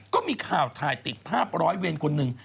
ก็มีข่าวถ่ายติดภาพร้อยเวรคนหนึ่ง